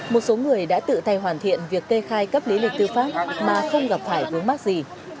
một số người đã tự thay hoàn thiện việc kê khai cấp lý lịch tư pháp mà không gặp phải vướng mắc gì